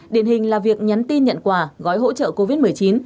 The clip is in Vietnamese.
điện hình là việc nhắn tin nhận quà gói hỗ trợ covid một mươi chín